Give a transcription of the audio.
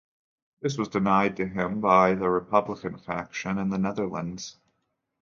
This was denied to him by the republican faction in the Netherlands.